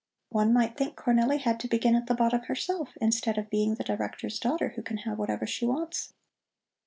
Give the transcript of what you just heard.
"One might think Cornelli had to begin at the bottom herself, instead of being the Director's daughter who can have whatever she wants."